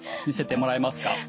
見せてもらえますか？